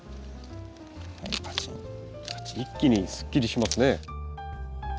一気にすっきりしますね。